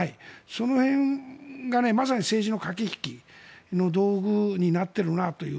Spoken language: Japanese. その辺がまさに政治の駆け引きの道具になっているなという。